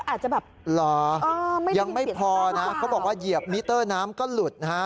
อาจจะแบบเหรอยังไม่พอนะเขาบอกว่าเหยียบมิเตอร์น้ำก็หลุดนะฮะ